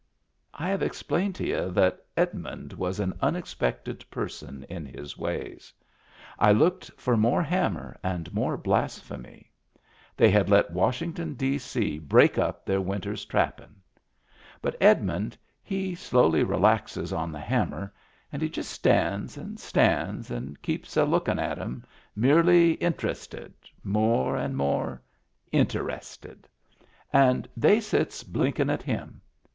I have explained to y'u that Edmund was an unexpected person in his ways. I looked for more hammer and more blasphemy. They had let Washington, D.C., break up their winter's trap pin'. But Edmund he slowly relaxes on the hammer, and he just stands and stands and keeps a lookin' at 'em, merely inter ested — more and more inter ested. And they sits blinkin' at him.